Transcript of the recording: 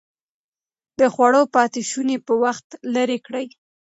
د خوړو پاتې شوني په وخت لرې کړئ.